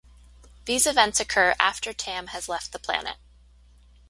These events occur after Tam has left the planet.